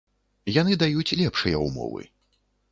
Яны даюць лепшыя ўмовы.